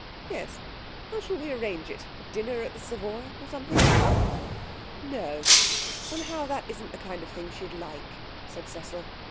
'Yes. How shall we arrange it? A dinner at the Savoy or something?' 'No. Somehow that isn't the kind of thing she'd like,' said Cecil.